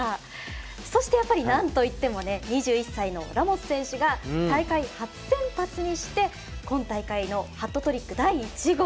そして、やっぱりなんといっても２１歳のラモス選手が大会初先発にして今大会のハットトリック第１号。